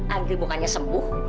andri bukannya sembuh